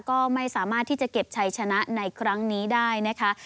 ก็ไม่สามารถที่จะเก็บชัยชนะในครั้งนี้ได้นะคะ